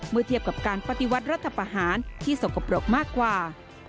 เมื่อเทียบกับการปฏิวัติรัฐประหารที่สกปรกมากกว่า